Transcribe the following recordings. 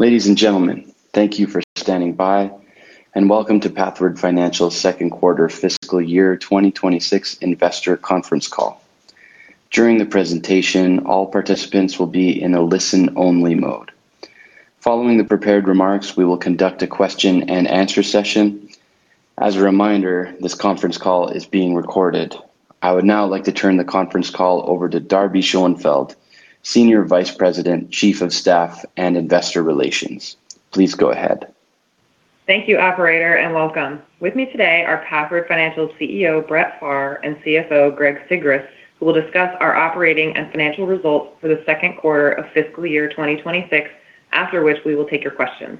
Ladies and gentlemen, thank you for standing by and welcome to Pathward Financial's Second Quarter Fiscal Year 2026 Investor Conference Call. During the presentation, all participants will be in a listen-only mode. Following the prepared remarks, we will conduct a question and answer session. As a reminder, this conference call is being recorded. I would now like to turn the conference call over to Darby Schoenfeld, Senior Vice President, Chief of Staff, and Investor Relations. Please go ahead. Thank you operator, and welcome. With me today are Pathward Financial's CEO, Brett Pharr, and CFO, Greg Sigrist, who will discuss our operating and financial results for the second quarter of fiscal year 2026. After which we will take your questions.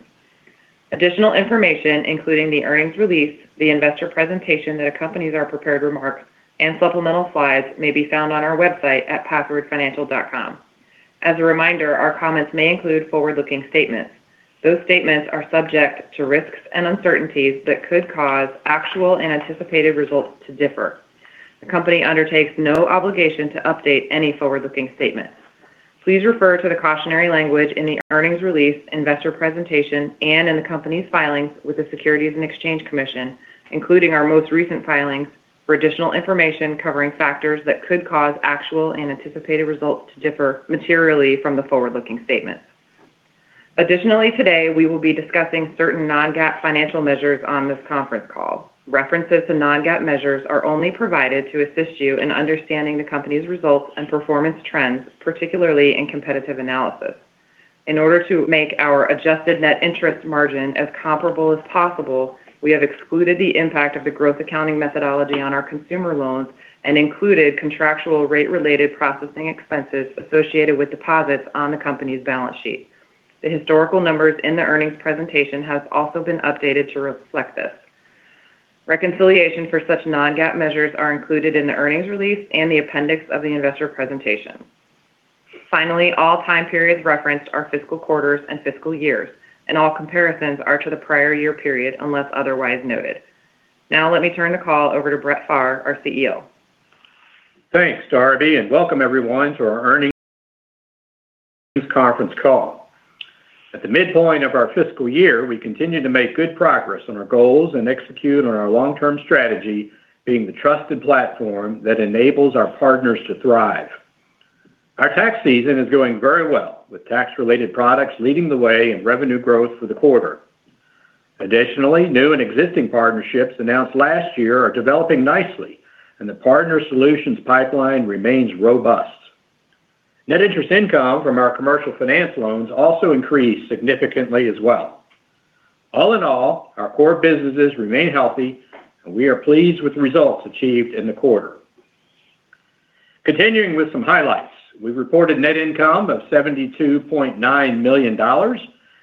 Additional information, including the earnings release, the investor presentation that accompanies our prepared remarks, and supplemental slides may be found on our website at pathwardfinancial.com. As a reminder, our comments may include forward-looking statements. Those statements are subject to risks and uncertainties that could cause actual and anticipated results to differ. The company undertakes no obligation to update any forward-looking statements. Please refer to the cautionary language in the earnings release, investor presentation, and in the company's filings with the Securities and Exchange Commission, including our most recent filings for additional information covering factors that could cause actual and anticipated results to differ materially from the forward-looking statements. Additionally, today, we will be discussing certain non-GAAP financial measures on this conference call. References to non-GAAP measures are only provided to assist you in understanding the company's results and performance trends, particularly in competitive analysis. In order to make our adjusted net interest margin as comparable as possible, we have excluded the impact of the growth accounting methodology on our consumer loans and included contractual rate-related processing expenses associated with deposits on the company's balance sheet. The historical numbers in the earnings presentation has also been updated to reflect this. Reconciliation for such non-GAAP measures are included in the earnings release and the appendix of the investor presentation. Finally, all time periods referenced are fiscal quarters and fiscal years, and all comparisons are to the prior year period unless otherwise noted. Now let me turn the call over to Brett Pharr, our CEO. Thanks, Darby, and welcome everyone to our earnings conference call. At the midpoint of our fiscal year, we continue to make good progress on our goals and execute on our long-term strategy, being the trusted platform that enables our partners to thrive. Our tax season is going very well, with tax-related products leading the way in revenue growth for the quarter. Additionally, new and existing partnerships announced last year are developing nicely, and the Partner Solutions pipeline remains robust. Net interest income from our Commercial Finance loans also increased significantly as well. All in all, our core businesses remain healthy, and we are pleased with the results achieved in the quarter. Continuing with some highlights, we reported net income of $72.9 million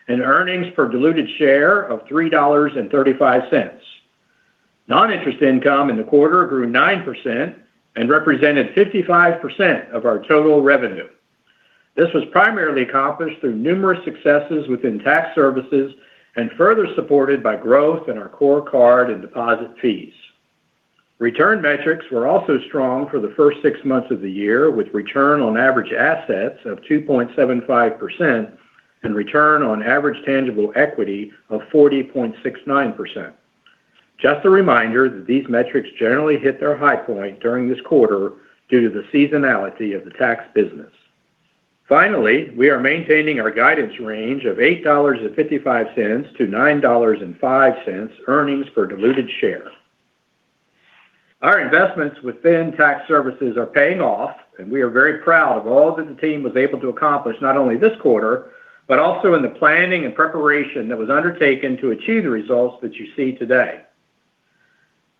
and earnings per diluted share of $3.35. Non-interest income in the quarter grew 9% and represented 55% of our total revenue. This was primarily accomplished through numerous successes within Tax Services and further supported by growth in our core card and deposit fees. Return metrics were also strong for the first six months of the year, with return on average assets of 2.75% and return on average tangible equity of 40.69%. Just a reminder that these metrics generally hit their high point during this quarter due to the seasonality of the tax business. Finally, we are maintaining our guidance range of $8.55-$9.05 earnings per diluted share. Our investments within Tax Services are paying off, and we are very proud of all that the team was able to accomplish, not only this quarter, but also in the planning and preparation that was undertaken to achieve the results that you see today.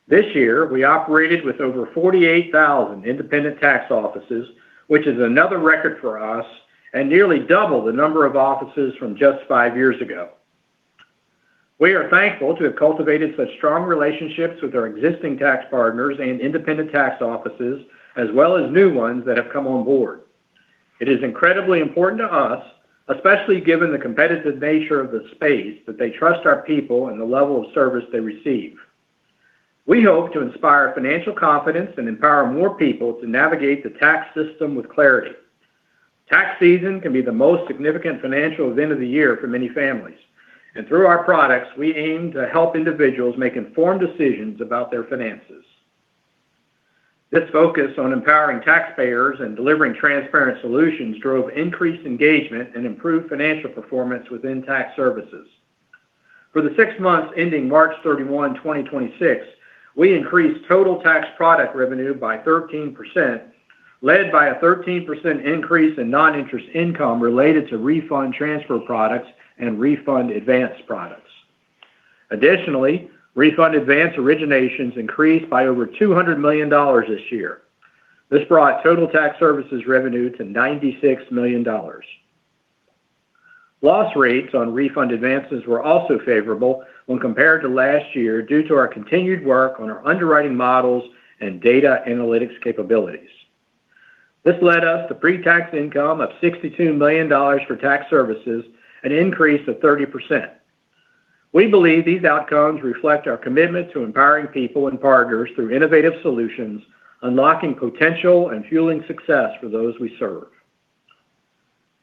This year, we operated with over 48,000 independent tax offices, which is another record for us and nearly double the number of offices from just five years ago. We are thankful to have cultivated such strong relationships with our existing tax partners and independent tax offices, as well as new ones that have come on board. It is incredibly important to us, especially given the competitive nature of the space, that they trust our people and the level of service they receive. We hope to inspire financial confidence and empower more people to navigate the tax system with clarity. Tax season can be the most significant financial event of the year for many families, and through our products, we aim to help individuals make informed decisions about their finances. This focus on empowering taxpayers and delivering transparent solutions drove increased engagement and improved financial performance within Tax Services. For the six months ending March 31, 2026, we increased total tax product revenue by 13%, led by a 13% increase in non-interest income related to Refund Transfer products and Refund Advance products. Additionally, Refund Advance originations increased by over $200 million this year. This brought total Tax Services revenue to $96 million. Loss rates on Refund Advances were also favorable when compared to last year due to our continued work on our underwriting models and data analytics capabilities. This led us to pretax income of $62 million for Tax Services, an increase of 30%. We believe these outcomes reflect our commitment to empowering people and partners through innovative solutions, unlocking potential and fueling success for those we serve.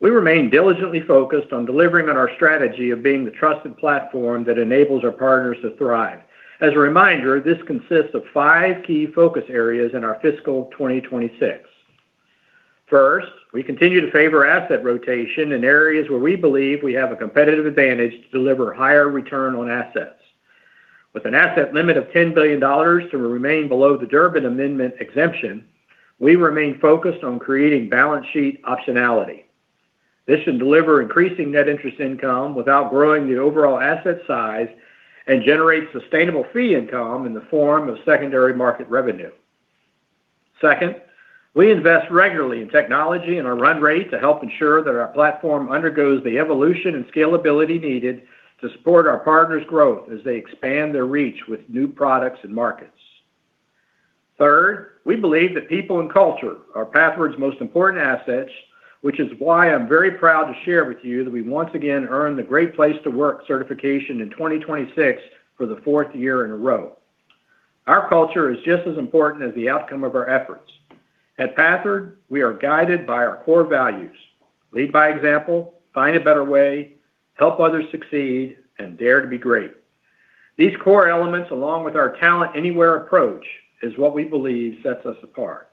We remain diligently focused on delivering on our strategy of being the trusted platform that enables our partners to thrive. As a reminder, this consists of five key focus areas in our fiscal 2026. First, we continue to favor asset rotation in areas where we believe we have a competitive advantage to deliver higher return on assets. With an asset limit of $10 billion to remain below the Durbin Amendment exemption, we remain focused on creating balance sheet optionality. This should deliver increasing net interest income without growing the overall asset size and generate sustainable fee income in the form of secondary market revenue. Second, we invest regularly in technology and our run rate to help ensure that our platform undergoes the evolution and scalability needed to support our partners' growth as they expand their reach with new products and markets. Third, we believe that people and culture are Pathward's most important assets, which is why I'm very proud to share with you that we once again earned the Great Place to Work certification in 2026 for the fourth year in a row. Our culture is just as important as the outcome of our efforts. At Pathward, we are guided by our core values, lead by example, find a better way, help others succeed, and dare to be great. These core elements, along with our talent anywhere approach, is what we believe sets us apart.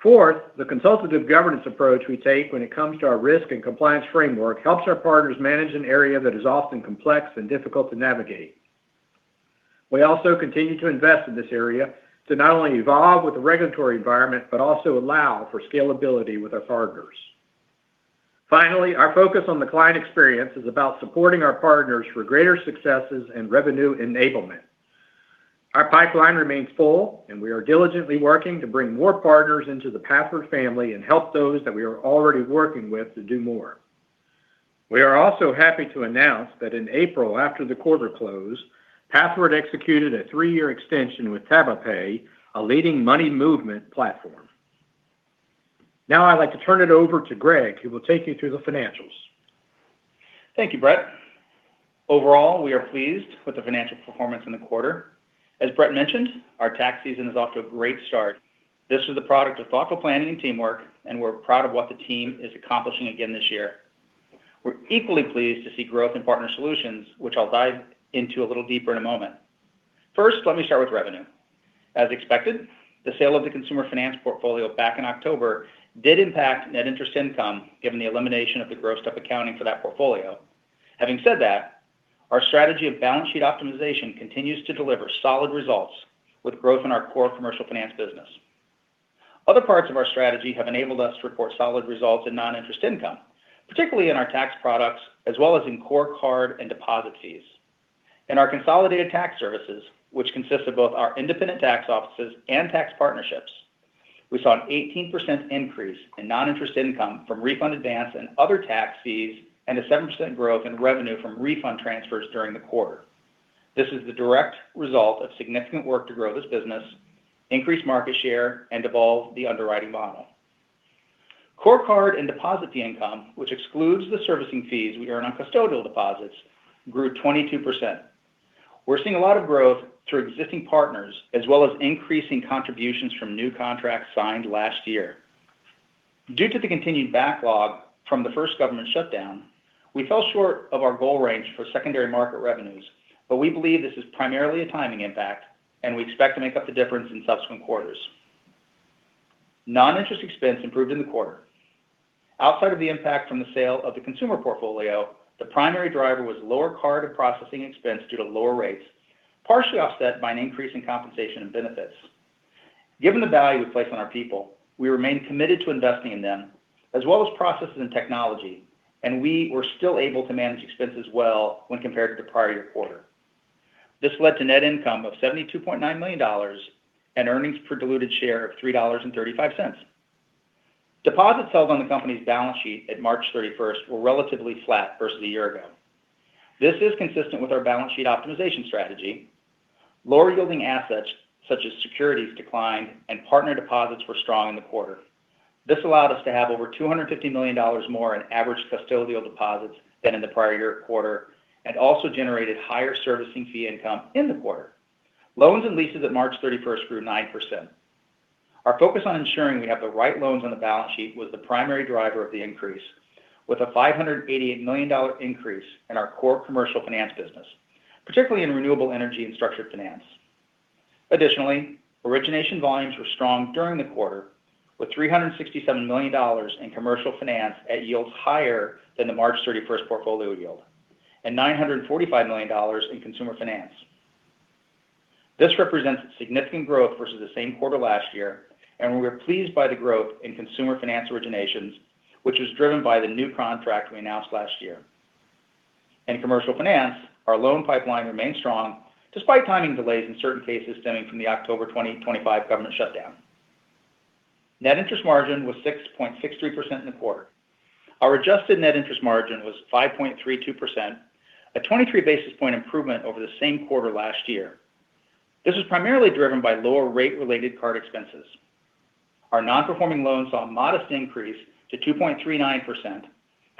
Fourth, the consultative governance approach we take when it comes to our risk and compliance framework helps our partners manage an area that is often complex and difficult to navigate. We also continue to invest in this area to not only evolve with the regulatory environment but also allow for scalability with our partners. Finally, our focus on the client experience is about supporting our partners for greater successes and revenue enablement. Our pipeline remains full, and we are diligently working to bring more partners into the Pathward family and help those that we are already working with to do more. We are also happy to announce that in April, after the quarter close, Pathward executed a three-year extension with TabaPay, a leading money movement platform. Now I'd like to turn it over to Greg, who will take you through the financials. Thank you, Brett. Overall, we are pleased with the financial performance in the quarter. As Brett mentioned, our tax season is off to a great start. This is the product of thoughtful planning and teamwork, and we're proud of what the team is accomplishing again this year. We're equally pleased to see growth in Partner Solutions, which I'll dive into a little deeper in a moment. First, let me start with revenue. As expected, the sale of the consumer finance portfolio back in October did impact net interest income, given the elimination of the grossed-up accounting for that portfolio. Having said that, our strategy of balance sheet optimization continues to deliver solid results with growth in our core Commercial Finance business. Other parts of our strategy have enabled us to report solid results in non-interest income, particularly in our tax products, as well as in core card and deposit fees. In our consolidated Tax Services, which consists of both our independent tax offices and tax partnerships, we saw an 18% increase in non-interest income from Refund Advance and other tax fees and a 7% growth in revenue from Refund Transfer during the quarter. This is the direct result of significant work to grow this business, increase market share, and evolve the underwriting model. Core card and deposit fee income, which excludes the servicing fees we earn on custodial deposits, grew 22%. We're seeing a lot of growth through existing partners, as well as increasing contributions from new contracts signed last year. Due to the continued backlog from the first government shutdown, we fell short of our goal range for secondary market revenues, but we believe this is primarily a timing impact, and we expect to make up the difference in subsequent quarters. Non-interest expense improved in the quarter. Outside of the impact from the sale of the consumer portfolio, the primary driver was lower card processing expense due to lower rates, partially offset by an increase in compensation and benefits. Given the value we place on our people, we remain committed to investing in them, as well as processes and technology, and we were still able to manage expenses well when compared to the prior year quarter. This led to net income of $72.9 million and earnings per diluted share of $3.35. Deposits held on the company's balance sheet at March 31st were relatively flat versus a year ago. This is consistent with our balance sheet optimization strategy. Lower-yielding assets, such as securities, declined, and partner deposits were strong in the quarter. This allowed us to have over $250 million more in average custodial deposits than in the prior year quarter and also generated higher servicing fee income in the quarter. Loans and leases at March 31st grew 9%. Our focus on ensuring we have the right loans on the balance sheet was the primary driver of the increase, with a $588 million increase in our core Commercial Finance business, particularly in renewable energy and structured finance. Additionally, origination volumes were strong during the quarter, with $367 million in Commercial Finance at yields higher than the March 31st portfolio yield and $945 million in consumer finance. This represents significant growth versus the same quarter last year, and we were pleased by the growth in consumer finance originations, which was driven by the new contract we announced last year. In Commercial Finance, our loan pipeline remained strong despite timing delays in certain cases stemming from the October 2025 government shutdown. Net interest margin was 6.63% in the quarter. Our adjusted net interest margin was 5.32%, a 23 basis point improvement over the same quarter last year. This was primarily driven by lower rate-related card expenses. Our non-performing loans saw a modest increase to 2.39%,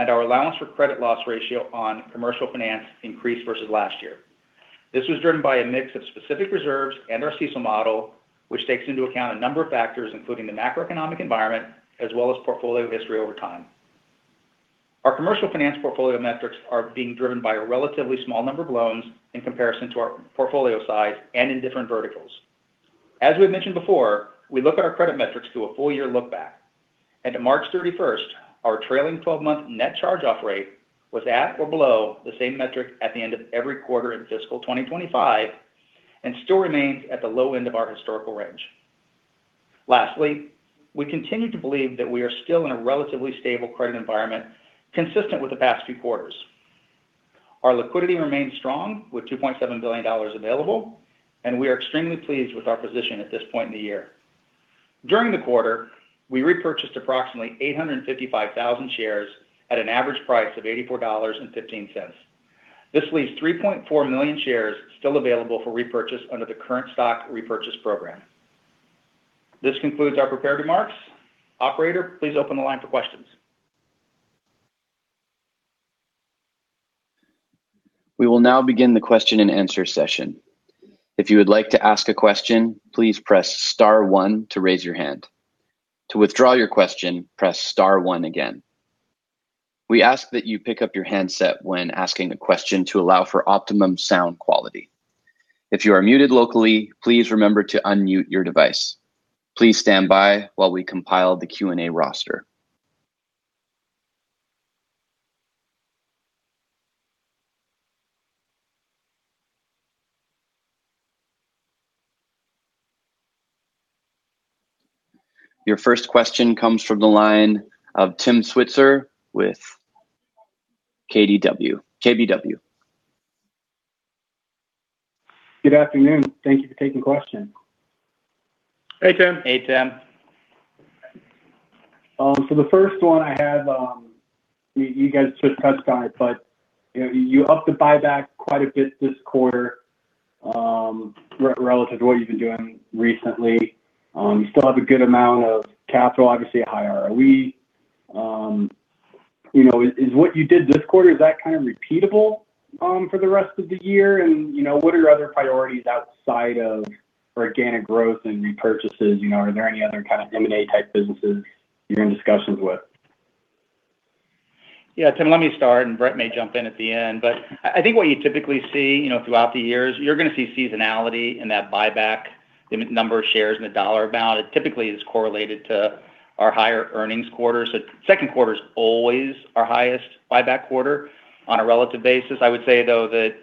and our allowance for credit loss ratio on Commercial Finance increased versus last year. This was driven by a mix of specific reserves and our CECL model, which takes into account a number of factors, including the macroeconomic environment as well as portfolio history over time. Our Commercial Finance portfolio metrics are being driven by a relatively small number of loans in comparison to our portfolio size and in different verticals. As we've mentioned before, we look at our credit metrics to a full-year look back, and to March 31st, our trailing 12-month net charge-off rate was at or below the same metric at the end of every quarter in fiscal 2025 and still remains at the low end of our historical range. Lastly, we continue to believe that we are still in a relatively stable credit environment consistent with the past few quarters. Our liquidity remains strong with $2.7 billion available, and we are extremely pleased with our position at this point in the year. During the quarter, we repurchased approximately 855,000 shares at an average price of $84.15. This leaves 3.4 million shares still available for repurchase under the current stock repurchase program. This concludes our prepared remarks. Operator, please open the line for questions. We will now begin the question and answer session. If you would like to ask a question, please press star one to raise your hand. To withdraw your question, press star one again. We ask that you pick up your handset when asking a question to allow for optimum sound quality. If you are muted locally, please remember to unmute your device. Please stand by while we compile the Q&A roster. Your first question comes from the line of Tim Switzer with KBW. Good afternoon. Thank you for taking the question. Hey, Tim. Hey, Tim. The first one I have, you guys just touched on it, but you upped the buyback quite a bit this quarter relative to what you've been doing recently. You still have a good amount of capital, obviously a higher ROE. Is what you did this quarter, is that kind of repeatable for the rest of the year? What are your other priorities outside of organic growth and repurchases? Are there any other kind of M&A type businesses you're in discussions with? Yeah, Tim, let me start, and Brett may jump in at the end. I think what you typically see throughout the years, you're going to see seasonality in that buyback, the number of shares and the dollar amount. It typically is correlated to our higher earnings quarters. The second quarter is always our highest buyback quarter on a relative basis. I would say, though, that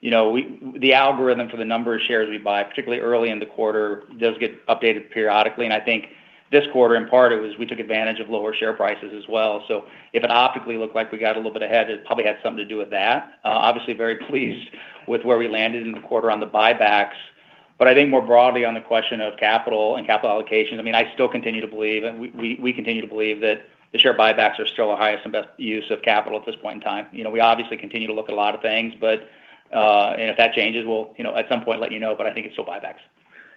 the algorithm for the number of shares we buy, particularly early in the quarter, does get updated periodically. I think this quarter, in part, it was we took advantage of lower share prices as well. If it optically looked like we got a little bit ahead, it probably had something to do with that. Obviously very pleased with where we landed in the quarter on the buybacks. I think more broadly on the question of capital and capital allocation, I still continue to believe and we continue to believe that the share buybacks are still the highest and best use of capital at this point in time. We obviously continue to look at a lot of things, and if that changes, we'll at some point let you know, but I think it's still buybacks.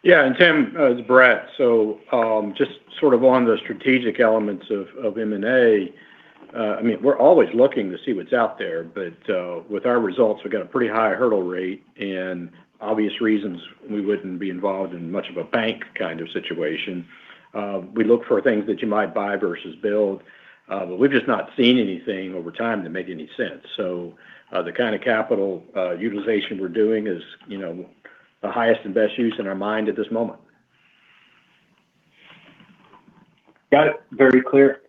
Yeah. Tim, it's Brett. Just sort of on the strategic elements of M&A, we're always looking to see what's out there. With our results, we've got a pretty high hurdle rate and obvious reasons we wouldn't be involved in much of a bank kind of situation. We look for things that you might buy versus build. We've just not seen anything over time that made any sense. The kind of capital utilization we're doing is the highest and best use in our mind at this moment. Got it. Very clear.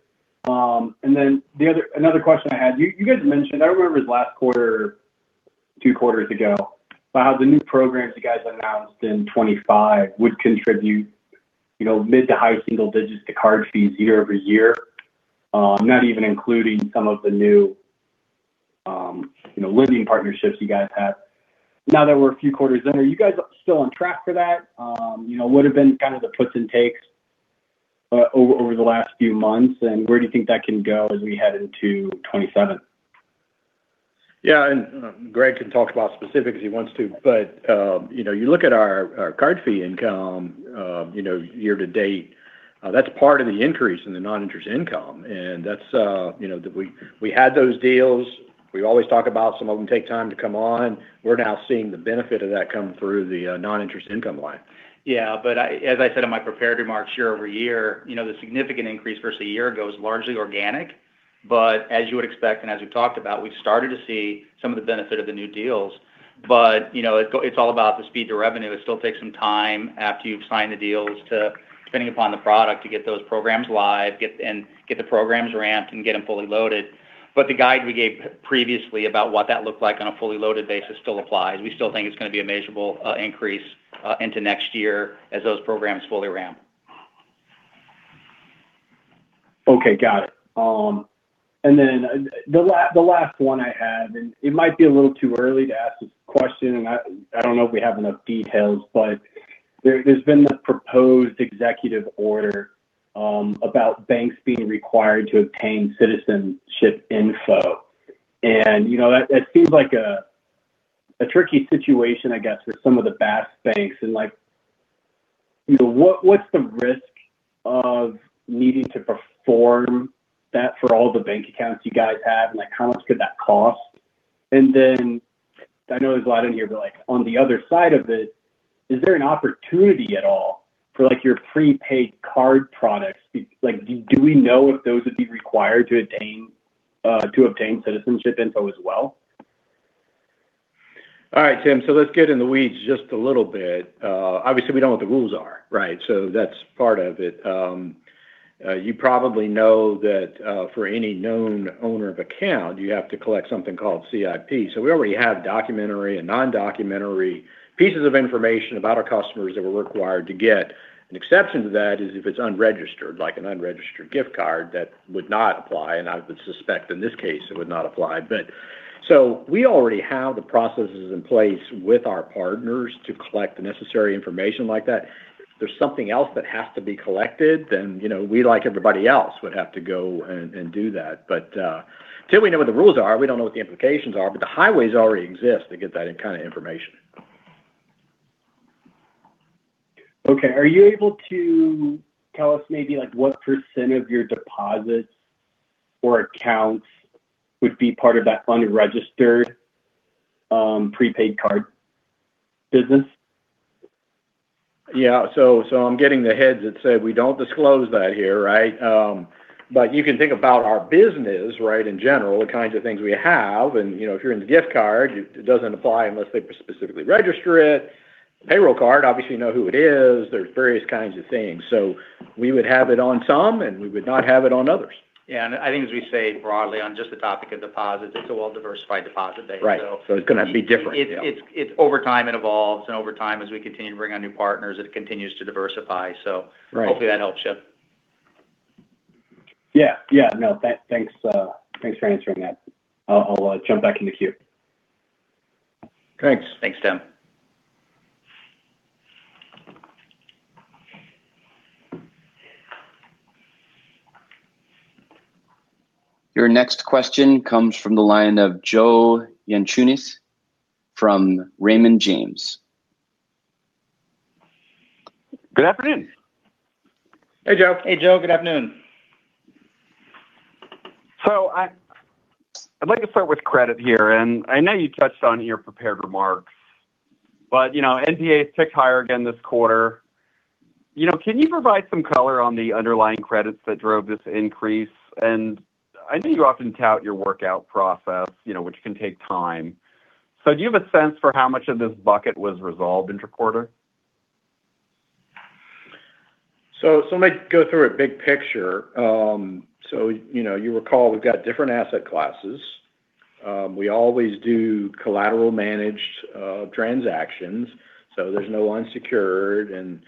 Then another question I had. You guys mentioned. I remember it was last quarter or two quarters ago, about how the new programs you guys announced in 2025 would contribute mid- to high-single digits to card fees year-over-year, not even including some of the new lending partnerships you guys have. Now that we're a few quarters in, are you guys still on track for that? What have been kind of the puts and takes over the last few months, and where do you think that can go as we head into 2027? Yeah, Greg can talk about specifics if he wants to. You look at our card fee income year to date, that's part of the increase in the non-interest income. We had those deals. We always talk about some of them take time to come on. We're now seeing the benefit of that come through the non-interest income line. Yeah. As I said in my prepared remarks, year-over-year, the significant increase versus a year ago is largely organic. As you would expect and as we've talked about, we've started to see some of the benefit of the new deals. It's all about the speed to revenue. It still takes some time after you've signed the deals to, depending upon the product, to get those programs live and get the programs ramped and get them fully loaded. The guide we gave previously about what that looked like on a fully loaded basis still applies. We still think it's going to be a measurable increase into next year as those programs fully ramp. Okay. Got it. The last one I had, and it might be a little too early to ask this question, and I don't know if we have enough details, but there's been this proposed executive order about banks being required to obtain citizenship info. That seems like a tricky situation, I guess, for some of the BaaS banks and what's the risk of needing to perform that for all the bank accounts you guys have? How much could that cost? I know there's a lot in here, but on the other side of it, is there an opportunity at all for your prepaid card products? Do we know if those would be required to obtain citizenship info as well? All right, Tim. Let's get in the weeds just a little bit. Obviously, we don't know what the rules are, right? That's part of it. You probably know that for any known owner of account, you have to collect something called CIP. We already have documentary and non-documentary pieces of information about our customers that we're required to get. An exception to that is if it's unregistered, like an unregistered gift card, that would not apply, and I would suspect in this case it would not apply. We already have the processes in place with our partners to collect the necessary information like that. If there's something else that has to be collected, then we, like everybody else, would have to go and do that. Till we know what the rules are, we don't know what the implications are. The highways already exist to get that kind of information. Okay. Are you able to tell us maybe what percent of your deposits or accounts would be part of that unregistered prepaid card business? Yeah. I'm getting the heads that say we don't disclose that here, right? You can think about our business, right, in general, the kinds of things we have. If you're in the gift card, it doesn't apply unless they specifically register it. Payroll card, obviously know who it is. There's various kinds of things. We would have it on some, and we would not have it on others. Yeah. I think as we say broadly on just the topic of deposits, it's a well-diversified deposit base. Right. It's going to be different. Yeah. Over time it evolves, and over time, as we continue to bring on new partners, it continues to diversify. Right. Hopefully that helps you. Yeah. No, thanks for answering that. I'll jump back in the queue. Thanks. Thanks, Tim. Your next question comes from the line of Joe Yanchunis from Raymond James. Good afternoon. Hey, Joe. Hey, Joe. Good afternoon. I'd like to start with credit here, and I know you touched on it in your prepared remarks, but NPA has ticked higher again this quarter. Can you provide some color on the underlying credits that drove this increase? I know you often tout your workout process which can take time. Do you have a sense for how much of this bucket was resolved inter-quarter? Let me go through it big picture. You recall we've got different asset classes. We always do collateral managed transactions, so there's no unsecured, and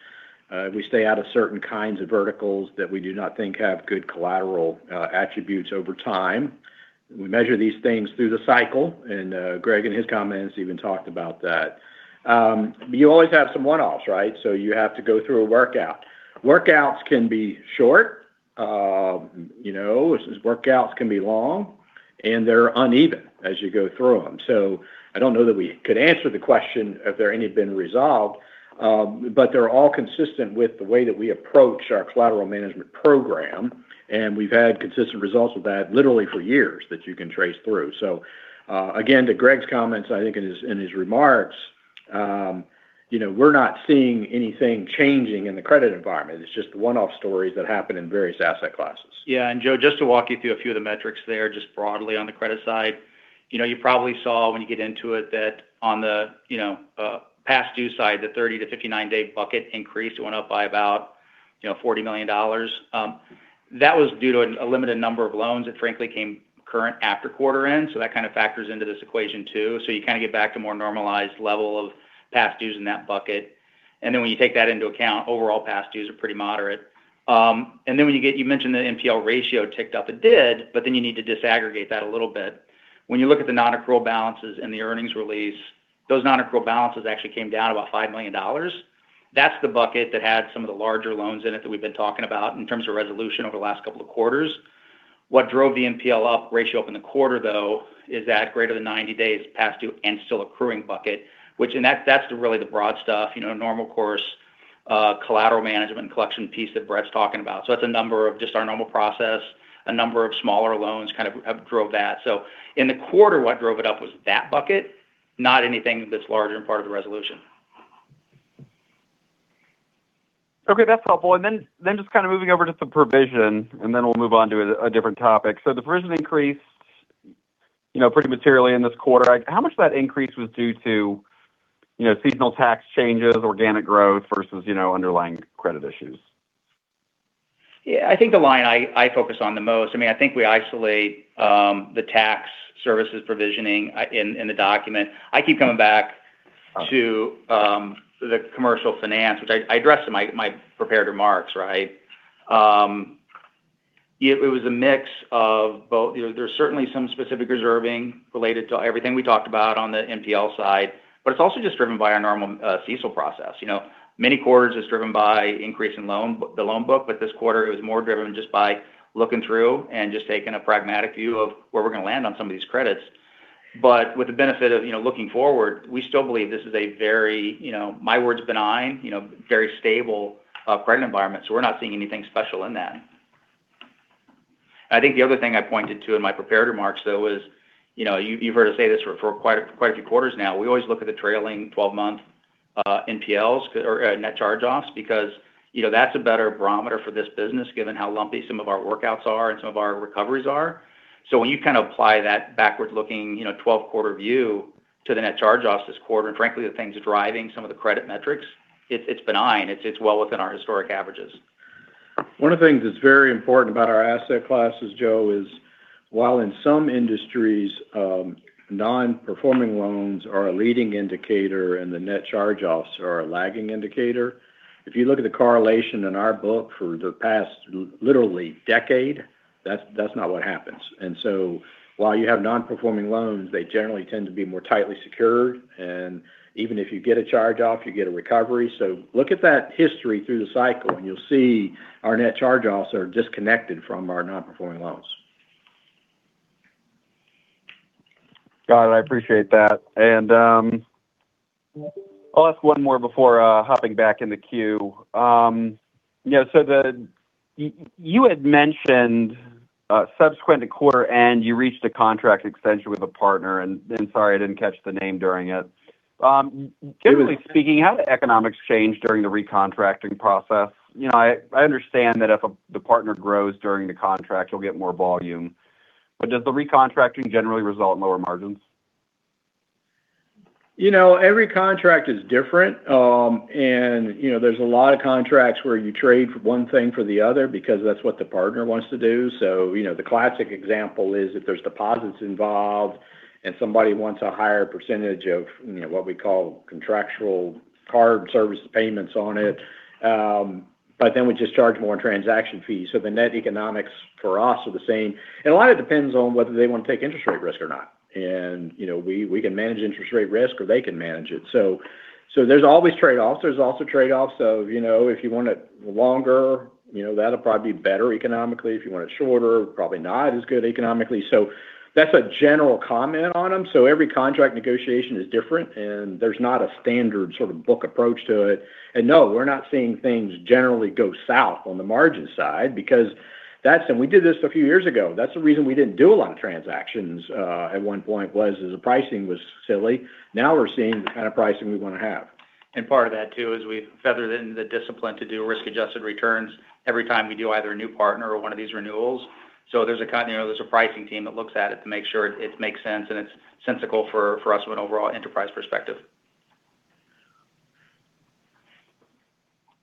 we stay out of certain kinds of verticals that we do not think have good collateral attributes over time. We measure these things through the cycle, and Greg in his comments even talked about that. You always have some one-offs, right? You have to go through a workout. Workouts can be short. Workouts can be long, and they're uneven as you go through them. I don't know that we could answer the question if any have been resolved. They're all consistent with the way that we approach our collateral management program, and we've had consistent results with that literally for years that you can trace through. Again, to Greg's comments, I think in his remarks, we're not seeing anything changing in the credit environment. It's just one-off stories that happen in various asset classes. Yeah. Joe, just to walk you through a few of the metrics there, just broadly on the credit side. You probably saw when you get into it that on the past due side, the 30- to 59-day bucket increased. It went up by about $40 million. That was due to a limited number of loans that frankly came current after quarter end. That kind of factors into this equation too. You kind of get back to more normalized level of past dues in that bucket. Then when you mentioned the NPL ratio ticked up, it did, but then you need to disaggregate that a little bit. When you look at the non-accrual balances in the earnings release, those non-accrual balances actually came down about $5 million. That's the bucket that had some of the larger loans in it that we've been talking about in terms of resolution over the last couple of quarters. What drove the NPL ratio up in the quarter, though, is that greater than 90 days past due and still accruing bucket, and that's really the broad stuff, normal course collateral management collection piece that Brett's talking about. That's a number of just our normal process. A number of smaller loans kind of drove that. In the quarter, what drove it up was that bucket, not anything that's larger in part of the resolution. Okay. That's helpful. Just kind of moving over to some provision, and then we'll move on to a different topic. The provision increased pretty materially in this quarter. How much of that increase was due to seasonal tax changes, organic growth versus underlying credit issues? Yeah. I think the line I focus on the most, I think we isolate the Tax Services provisioning in the document. I keep coming back to the Commercial Finance, which I addressed in my prepared remarks, right? It was a mix of both. There's certainly some specific reserving related to everything we talked about on the NPL side, but it's also just driven by our normal CECL process. Many quarters it's driven by increase in the loan book, but this quarter it was more driven just by looking through and just taking a pragmatic view of where we're going to land on some of these credits. With the benefit of looking forward, we still believe this is a very, my words, benign, very stable credit environment. We're not seeing anything special in that. I think the other thing I pointed to in my prepared remarks, though, is you've heard us say this for quite a few quarters now. We always look at the trailing 12-month NPLs, or net charge-offs because that's a better barometer for this business, given how lumpy some of our workouts are and some of our recoveries are. When you kind of apply that backward-looking 12-quarter view to the net charge-offs this quarter, and frankly, the things driving some of the credit metrics, it's benign. It's well within our historic averages. One of the things that's very important about our asset class is, Joe, while in some industries, non-performing loans are a leading indicator and the net charge-offs are a lagging indicator. If you look at the correlation in our book for the past literally decade, that's not what happens. While you have non-performing loans, they generally tend to be more tightly secured. Even if you get a charge-off, you get a recovery. Look at that history through the cycle and you'll see our net charge-offs are disconnected from our non-performing loans. Got it. I appreciate that. I'll ask one more before hopping back in the queue. You had mentioned subsequent to quarter end, you reached a contract extension with a partner and sorry, I didn't catch the name during it. Generally speaking, how did economics change during the recontracting process? I understand that if the partner grows during the contract, you'll get more volume. Does the recontracting generally result in lower margins? Every contract is different. There's a lot of contracts where you trade one thing for the other because that's what the partner wants to do. The classic example is if there's deposits involved and somebody wants a higher percentage of what we call contractual card service payments on it. Then we just charge more in transaction fees. The net economics for us are the same. A lot of it depends on whether they want to take interest rate risk or not. We can manage interest rate risk or they can manage it. There's always trade-offs. There's also trade-offs of if you want it longer, that'll probably be better economically. If you want it shorter, probably not as good economically. That's a general comment on them. Every contract negotiation is different and there's not a standard sort of book approach to it. No, we're not seeing things generally go south on the margin side because that's, and we did this a few years ago. That's the reason we didn't do a lot of transactions at one point was because the pricing was silly. Now we're seeing the kind of pricing we want to have. Part of that too is we feathered in the discipline to do risk-adjusted returns every time we do either a new partner or one of these renewals. There's a pricing team that looks at it to make sure it makes sense and it's sensical for us from an overall enterprise perspective.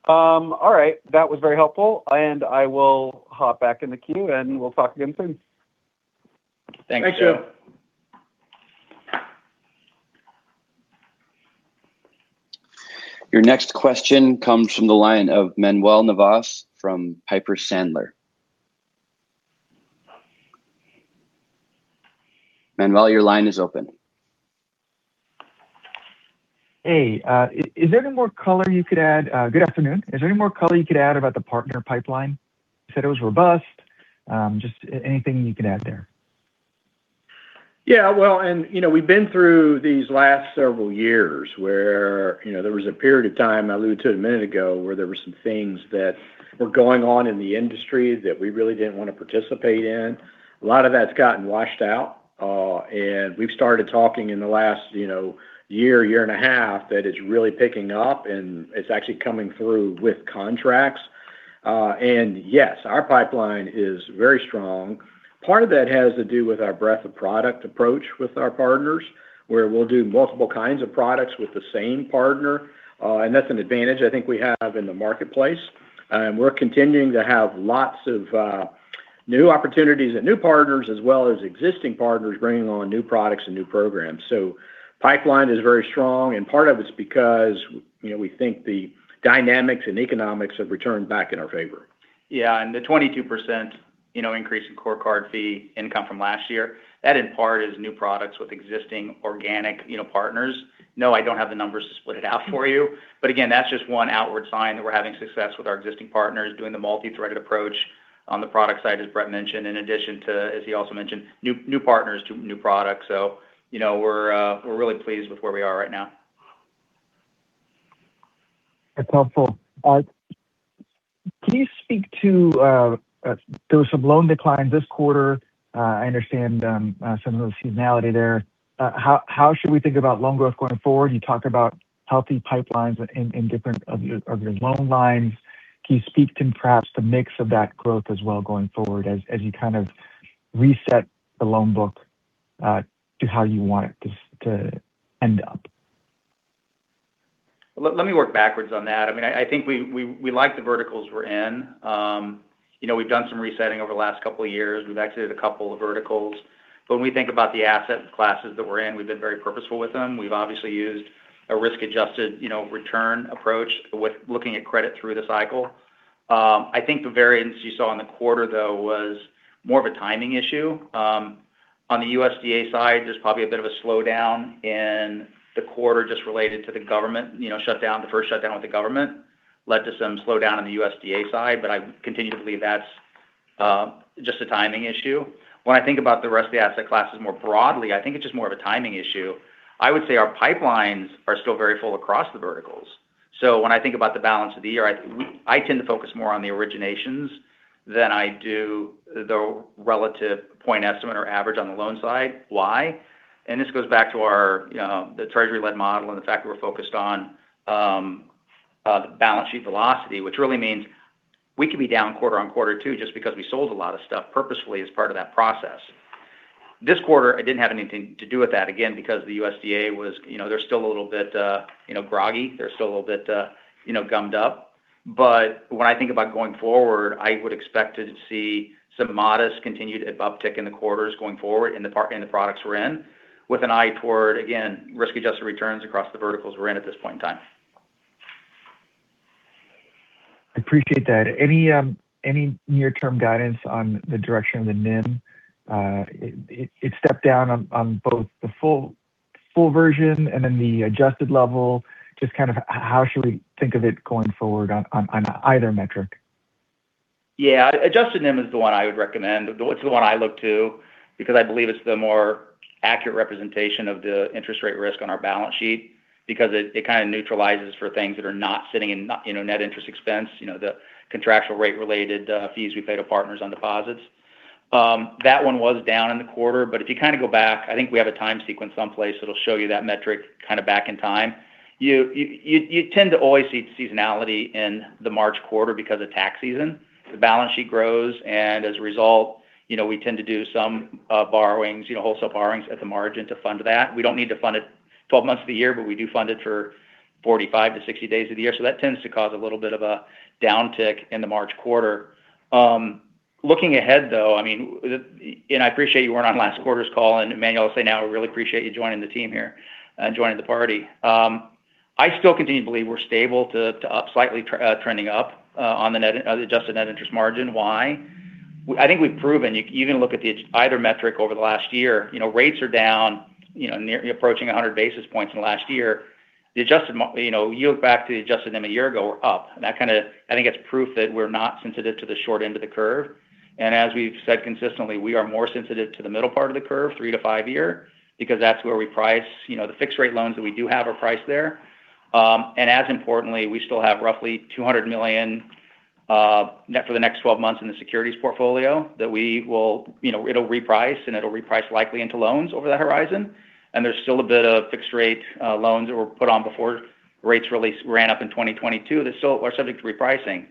All right. That was very helpful. I will hop back in the queue and we'll talk again soon. Thanks, Joe. Thanks, Joe. Your next question comes from the line of Manuel Navas from Piper Sandler. Manuel, your line is open. Hey. Good afternoon. Is there any more color you could add about the partner pipeline? You said it was robust. Just anything you could add there. Yeah. Well, we've been through these last several years where there was a period of time I alluded to a minute ago where there were some things that were going on in the industry that we really didn't want to participate in. A lot of that's gotten washed out. We've started talking in the last year and a half that it's really picking up and it's actually coming through with contracts. Yes, our pipeline is very strong. Part of that has to do with our breadth of product approach with our partners, where we'll do multiple kinds of products with the same partner. That's an advantage I think we have in the marketplace. We're continuing to have lots of new opportunities and new partners as well as existing partners bringing on new products and new programs. Pipeline is very strong and part of it's because we think the dynamics and economics have returned back in our favor. Yeah. The 22% increase in core card fee income from last year, that in part is new products with existing organic partners. No, I don't have the numbers to split it out for you. Again, that's just one outward sign that we're having success with our existing partners doing the multi-threaded approach on the product side, as Brett mentioned, in addition to, as he also mentioned, new partners to new products. We're really pleased with where we are right now. That's helpful. Can you speak to, there was some loan declines this quarter. I understand some of the seasonality there. How should we think about loan growth going forward? You talked about healthy pipelines in different of your loan lines. Can you speak to perhaps the mix of that growth as well going forward as you kind of reset the loan book to how you want it to end up? Let me work backwards on that. I think we like the verticals we're in. We've done some resetting over the last couple of years. We've exited a couple of verticals. When we think about the asset classes that we're in, we've been very purposeful with them. We've obviously used a risk-adjusted return approach with looking at credit through the cycle. I think the variance you saw in the quarter, though, was more of a timing issue. On the USDA side, there's probably a bit of a slowdown in the quarter just related to the government shutdown. The first shutdown with the government led to some slowdown on the USDA side, but I continue to believe that's just a timing issue. When I think about the rest of the asset classes more broadly, I think it's just more of a timing issue. I would say our pipelines are still very full across the verticals. When I think about the balance of the year, I tend to focus more on the originations than I do the relative point estimate or average on the loan side. Why? This goes back to the treasury-led model and the fact that we're focused on the balance sheet velocity, which really means we could be down quarter-over-quarter, too just because we sold a lot of stuff purposefully as part of that process. This quarter, it didn't have anything to do with that, again, because the USDA, they're still a little bit groggy, they're still a little bit gummed up. When I think about going forward, I would expect to see some modest continued uptick in the quarters going forward in the products we're in with an eye toward, again, risk-adjusted returns across the verticals we're in at this point in time. I appreciate that. Any near-term guidance on the direction of the NIM? It stepped down on both the full version and then the adjusted level. Just how should we think of it going forward on either metric? Yeah. Adjusted NIM is the one I would recommend. It's the one I look to because I believe it's the more accurate representation of the interest rate risk on our balance sheet because it kind of neutralizes for things that are not sitting in net interest expense, the contractual rate-related fees we pay to partners on deposits. That one was down in the quarter. If you go back, I think we have a time sequence someplace that'll show you that metric back in time. You tend to always see seasonality in the March quarter because of tax season. The balance sheet grows, and as a result, we tend to do some wholesale borrowings at the margin to fund that. We don't need to fund it 12 months of the year, but we do fund it for 45-60 days of the year. That tends to cause a little bit of a downtick in the March quarter. Looking ahead, though, and I appreciate you weren't on last quarter's call, and Manuel will say now we really appreciate you joining the team here and joining the party. I still continue to believe we're stable to slightly trending up on the adjusted net interest margin. Why? I think we've proven, you can look at either metric over the last year. Rates are down, approaching 100 basis points in the last year. You look back to the adjusted NIM a year ago, we're up. And that kind of, I think it's proof that we're not sensitive to the short end of the curve. As we've said consistently, we are more sensitive to the middle part of the curve, three to five-year, because that's where we price the fixed rate loans that we do have are priced there. As importantly, we still have roughly $200 million net for the next 12 months in the securities portfolio that it'll reprice, and it'll reprice likely into loans over the horizon. There's still a bit of fixed-rate loans that were put on before rates really ran up in 2022 that still are subject to repricing.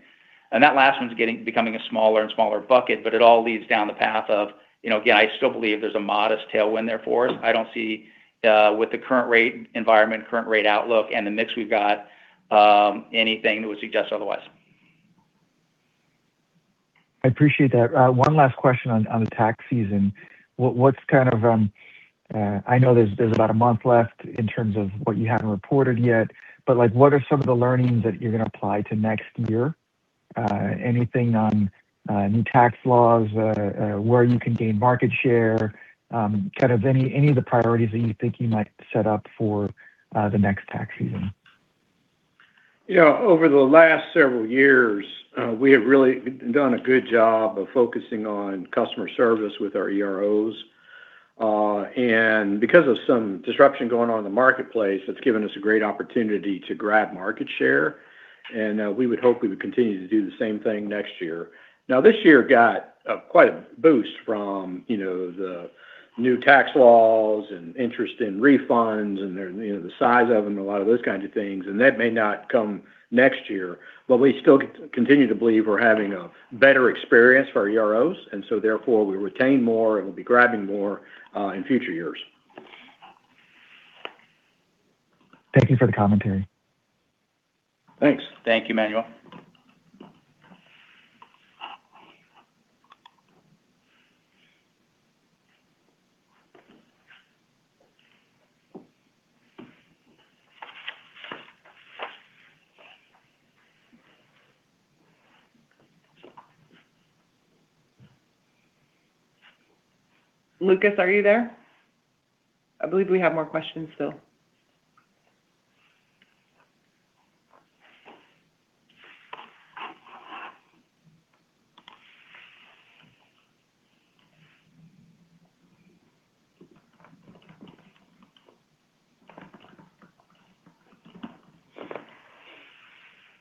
That last one's becoming a smaller and smaller bucket, but it all leads down the path of, again, I still believe there's a modest tailwind there for us. I don't see with the current rate environment, current rate outlook, and the mix we've got, anything that would suggest otherwise. I appreciate that. One last question on the tax season. I know there's about a month left in terms of what you haven't reported yet, but what are some of the learnings that you're going to apply to next year? Anything on new tax laws, where you can gain market share? Any of the priorities that you think you might set up for the next tax season? Over the last several years, we have really done a good job of focusing on customer service with our EROs. Because of some disruption going on in the marketplace, that's given us a great opportunity to grab market share. We would hope we would continue to do the same thing next year. Now, this year got quite a boost from the new tax laws and interest in refunds and the size of them and a lot of those kinds of things. That may not come next year, but we still continue to believe we're having a better experience for our EROs, and so therefore we retain more and we'll be grabbing more in future years. Thank you for the commentary. Thanks. Thank you, Manuel. Lucas, are you there? I believe we have more questions still.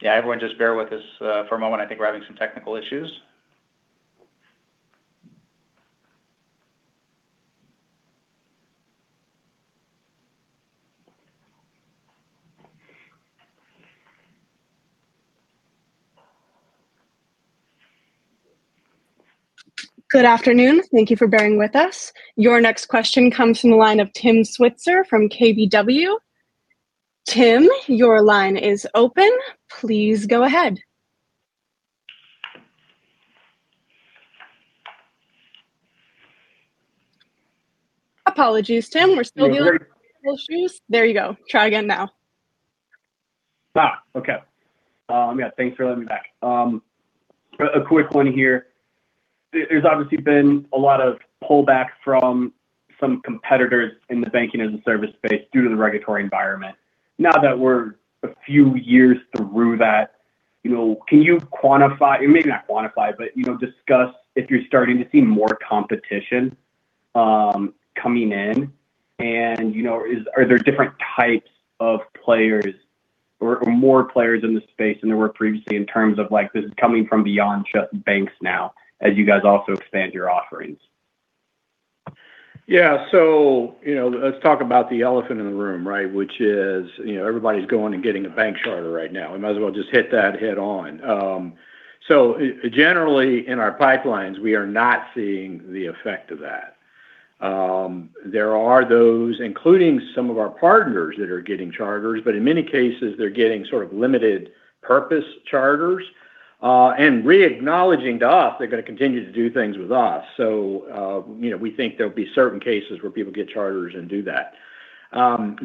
Yeah, everyone just bear with us for a moment. I think we're having some technical issues. Good afternoon. Thank you for bearing with us. Your next question comes from the line of Tim Switzer from KBW. Tim, your line is open. Please go ahead. Apologies, Tim. We're still dealing with technical issues. There you go. Try again now. Okay. Yeah, thanks for letting me back. A quick one here. There's obviously been a lot of pullback from some competitors in the Banking-as-a-Service space due to the regulatory environment. Now that we're a few years through that, can you quantify, maybe not quantify, but discuss if you're starting to see more competition coming in? Are there different types of players or more players in this space than there were previously in terms of like this is coming from beyond banks now as you guys also expand your offerings? Yeah. Let's talk about the elephant in the room, right? Which is, everybody's going and getting a bank charter right now. We might as well just hit that head on. Generally in our pipelines, we are not seeing the effect of that. There are those, including some of our partners that are getting charters, but in many cases, they're getting sort of limited purpose charters, and re-acknowledging to us they're going to continue to do things with us. We think there'll be certain cases where people get charters and do that.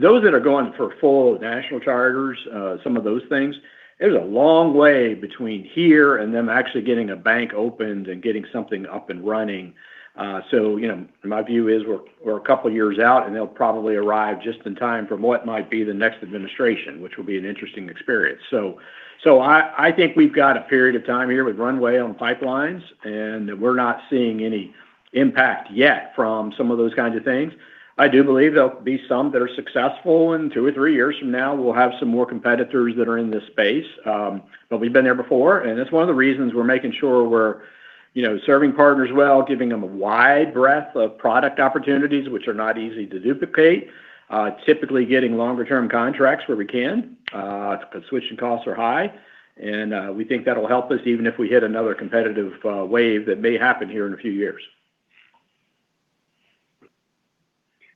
Those that are going for full national charters, some of those things, there's a long way between here and them actually getting a bank opened and getting something up and running. My view is we're a couple of years out, and they'll probably arrive just in time from what might be the next administration, which will be an interesting experience. I think we've got a period of time here with runway on pipelines, and that we're not seeing any impact yet from some of those kinds of things. I do believe there'll be some that are successful, and two or three years from now, we'll have some more competitors that are in this space. We've been there before, and it's one of the reasons we're making sure we're serving partners well, giving them a wide breadth of product opportunities, which are not easy to duplicate. Typically getting longer term contracts where we can, because switching costs are high. We think that'll help us even if we hit another competitive wave that may happen here in a few years.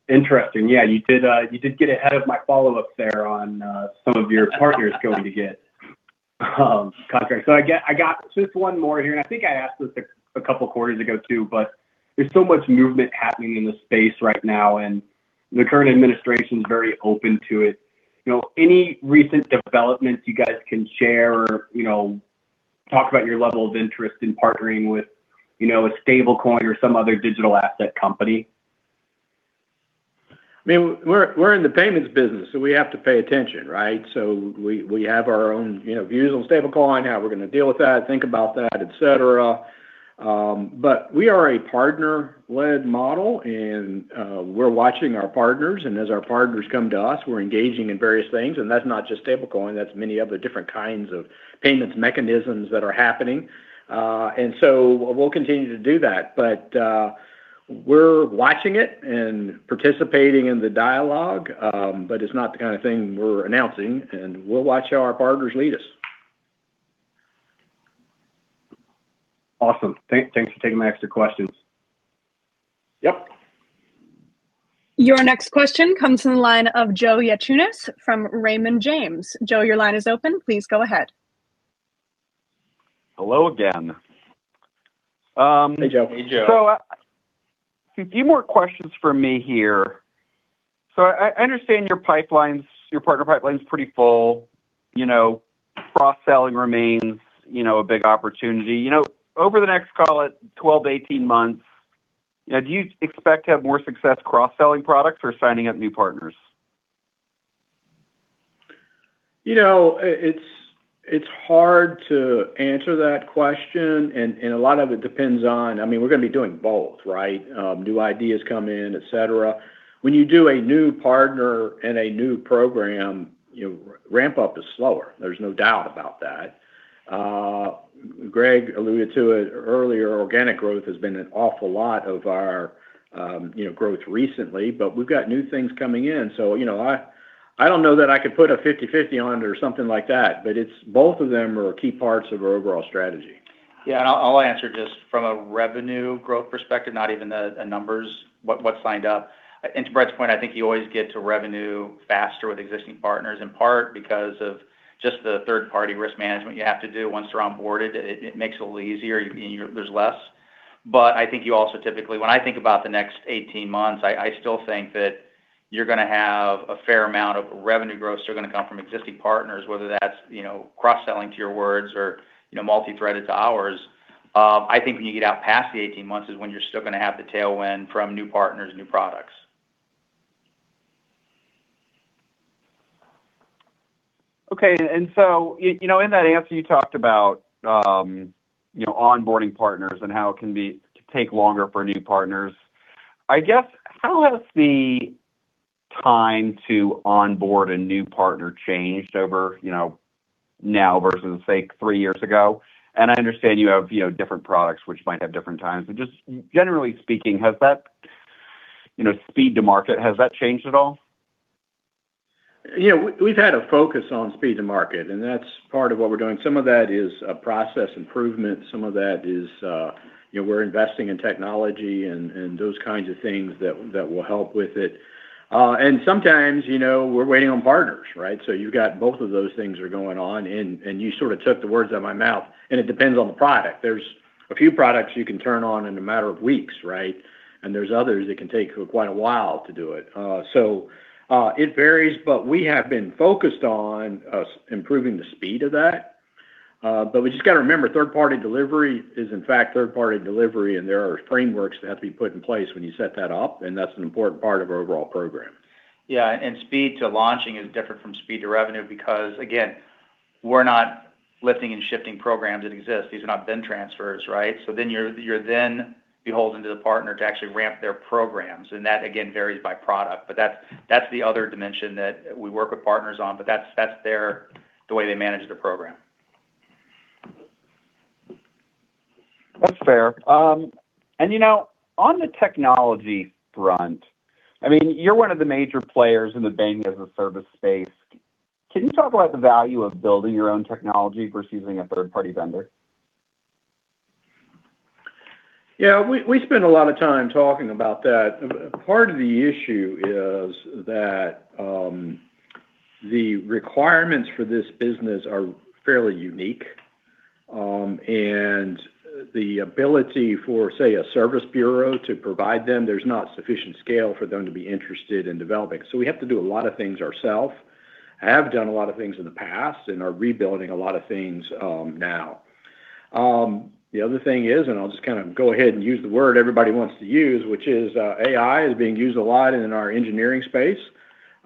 Interesting. Yeah. You did get ahead of my follow-up there on some of your partners going to get contracts. I got just one more here. I think I asked this a couple of quarters ago too, but there's so much movement happening in this space right now, and the current administration's very open to it. Any recent developments you guys can share or talk about your level of interest in partnering with a stablecoin or some other digital asset company? I mean, we're in the payments business, so we have to pay attention, right? We have our own views on stablecoin, how we're going to deal with that, think about that, et cetera. We are a partner-led model, and we're watching our partners, and as our partners come to us, we're engaging in various things. That's not just stablecoin, that's many other different kinds of payment mechanisms that are happening. We'll continue to do that. We're watching it and participating in the dialogue, but it's not the kind of thing we're announcing, and we'll watch how our partners lead us. Awesome. Thanks for taking my extra questions. Yep. Your next question comes from the line of Joe Yanchunis from Raymond James. Joe, your line is open. Please go ahead. Hello again. Hey, Joe. Hey, Joe. A few more questions from me here. I understand your partner pipeline's pretty full. Cross-selling remains a big opportunity. Over the next, call it 12-18 months, do you expect to have more success cross-selling products or signing up new partners? It's hard to answer that question, and a lot of it depends on, I mean, we're going to be doing both, right? New ideas come in, et cetera. When you do a new partner and a new program, ramp up is slower. There's no doubt about that. Greg alluded to it earlier. Organic growth has been an awful lot of our growth recently, but we've got new things coming in. I don't know that I could put a 50/50 on it or something like that, but both of them are key parts of our overall strategy. Yeah. I'll answer just from a revenue growth perspective, not even the numbers, what's signed up. To Brett's point, I think you always get to revenue faster with existing partners, in part because of just the third party risk management you have to do once they're onboarded. It makes it a little easier. There's less. I think you also typically, when I think about the next 18 months, I still think that you're going to have a fair amount of revenue growth that are going to come from existing partners, whether that's cross-selling to your words or multi-threaded to ours. I think when you get out past the 18 months is when you're still going to have the tailwind from new partners, new products. Okay. In that answer, you talked about onboarding partners and how it can take longer for new partners. I guess, how has the time to onboard a new partner changed over now versus, say, three years ago? I understand you have different products which might have different times. Just generally speaking, has that speed to market changed at all? We've had a focus on speed to market, and that's part of what we're doing. Some of that is process improvement. Some of that is we're investing in technology and those kinds of things that will help with it. Sometimes we're waiting on partners, right? You've got both of those things are going on, and you sort of took the words out of my mouth. It depends on the product. There's a few products you can turn on in a matter of weeks, right? There's others that can take quite a while to do it. It varies, but we have been focused on us improving the speed of that. We just got to remember, third-party delivery is in fact third-party delivery, and there are frameworks that have to be put in place when you set that up, and that's an important part of our overall program. Yeah. Speed to launching is different from speed to revenue because, again, we're not lifting and shifting programs that exist. These are not BIN transfers, right? You're beholden to the partner to actually ramp their programs, and that, again, varies by product. That's the other dimension that we work with partners on, but that's the way they manage their program. That's fair. On the technology front, you're one of the major players in the Banking-as-a-Service space. Can you talk about the value of building your own technology versus using a third-party vendor? Yeah. We spend a lot of time talking about that. Part of the issue is that the requirements for this business are fairly unique, and the ability for, say, a service bureau to provide them, there's not sufficient scale for them to be interested in developing. We have to do a lot of things ourselves, have done a lot of things in the past, and are rebuilding a lot of things now. The other thing is, and I'll just kind of go ahead and use the word everybody wants to use, which is AI is being used a lot in our engineering space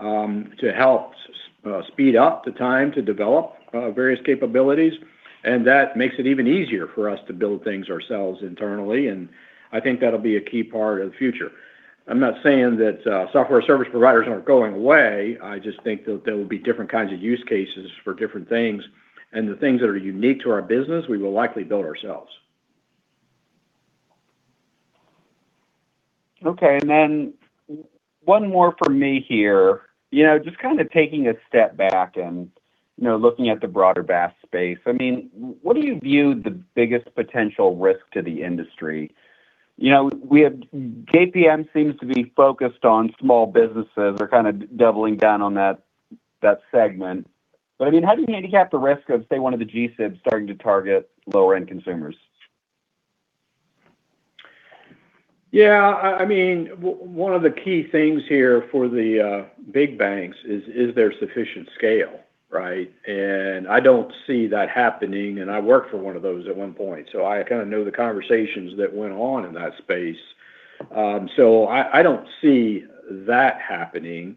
to help speed up the time to develop various capabilities. That makes it even easier for us to build things ourselves internally, and I think that'll be a key part of the future. I'm not saying that software service providers aren't going away. I just think that there will be different kinds of use cases for different things. The things that are unique to our business, we will likely build ourselves. Okay. One more from me here. Just kind of taking a step back and looking at the broader BaaS space. What do you view the biggest potential risk to the industry? JPM seems to be focused on small businesses. They're kind of doubling down on that segment. How do you handicap the risk of, say, one of the G-SIBs starting to target lower-end consumers? Yeah. One of the key things here for the big banks is there sufficient scale, right? I don't see that happening, and I worked for one of those at one point, so I kind of know the conversations that went on in that space. I don't see that happening.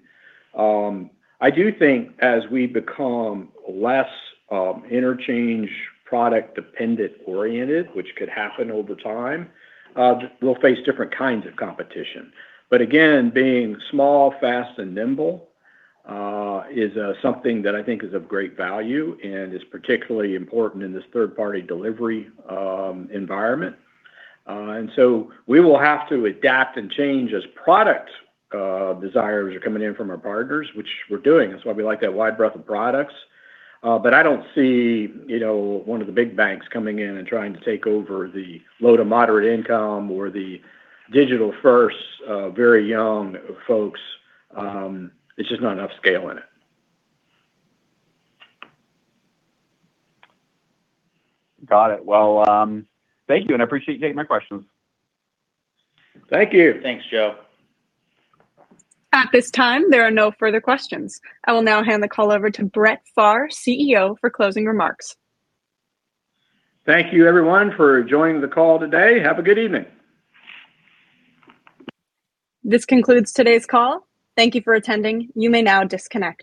I do think as we become less interchange product dependent oriented, which could happen over time, we'll face different kinds of competition. Again, being small, fast and nimble is something that I think is of great value and is particularly important in this third-party delivery environment. We will have to adapt and change as product desires are coming in from our partners, which we're doing. That's why we like that wide breadth of products. I don't see one of the big banks coming in and trying to take over the low to moderate income or the digital-first, very young folks. There's just not enough scale in it. Got it. Well, thank you, and I appreciate you taking my questions. Thank you. Thanks, Joe. At this time, there are no further questions. I will now hand the call over to Brett Pharr, CEO, for closing remarks. Thank you everyone for joining the call today. Have a good evening. This concludes today's call. Thank you for attending. You may now disconnect.